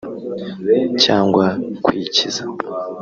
cyangwa kwikiza”